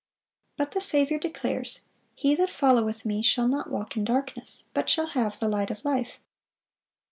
But the Saviour declares, "He that followeth Me shall not walk in darkness, but shall have the light of life."